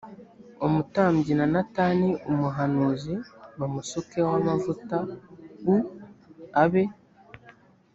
umutambyi na natani umuhanuzi bamusukeho amavuta u abe